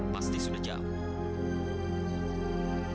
pasti sudah jauh